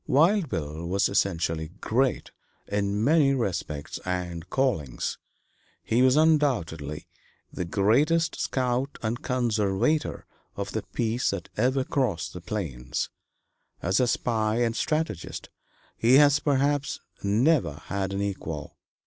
Wild Bill was essentially great in many respects and callings. He was undoubtedly the greatest scout and conservator of the peace that ever crossed the plains; as a spy and strategist he has, perhaps, never had an equal.